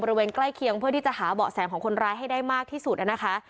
ใกล้เคียงเพื่อที่จะหาเบาะแสของคนร้ายให้ได้มากที่สุดนะคะ